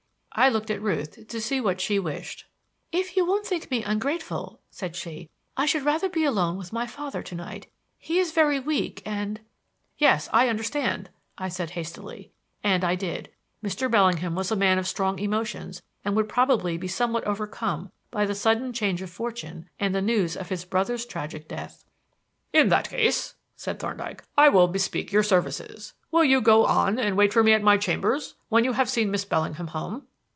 I looked at Ruth to see what she wished. "If you won't think me ungrateful," said she, "I should rather be alone with my father to night. He is very weak, and " "Yes, I understand," I said hastily. And I did. Mr. Bellingham was a man of strong emotions and would probably be somewhat overcome by the sudden change of fortune and the news of his brother's tragic death. "In that case," said Thorndyke, "I will bespeak your services. Will you go on and wait for me at my chambers, when you have seen Miss Bellingham home?"